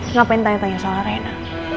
ngapain tanya tanya soal arena